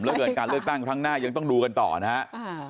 แล้วเกินการเลือกตั้งครั้งหน้ายังต้องดูกันต่อนะครับ